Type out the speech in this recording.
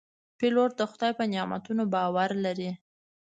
پیلوټ د خدای په نعمتونو باور لري.